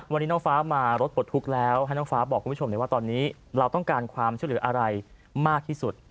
วันนี้น้องฟ้ามารถปลดทุกข์แล้วให้น้องฟ้าบอกคุณผู้ชมเลยว่าตอนนี้เราต้องการความช่วยเหลืออะไรมากที่สุด